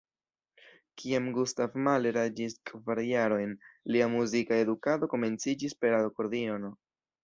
Kiam Gustav Mahler aĝis kvar jarojn, lia muzika edukado komenciĝis per akordiono.